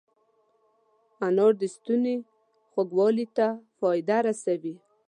انار د ستوني خوږوالي ته فایده رسوي.